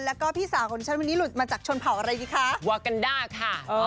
แล้วก็พี่สาวของฉันวันนี้หลุดมาจากชนเผ่าอะไรดีคะวากันด้าค่ะ